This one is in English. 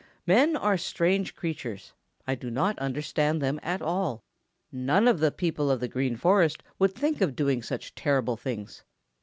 Men are strange creatures. I do not understand them at all. None of the people of the Green Forest would think of doing such terrible things.